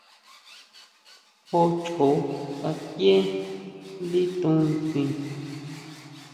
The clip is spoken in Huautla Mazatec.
Jó chjoó sakieʼe ndí tunsin.